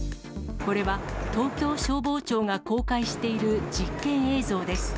これは東京消防庁が公開している実験映像です。